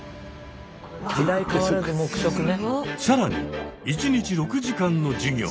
更に１日６時間の授業。